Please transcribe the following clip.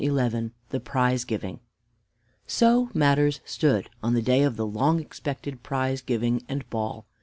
XI THE PRIZE GIVING So matters stood on the day of the long expected prize giving and ball.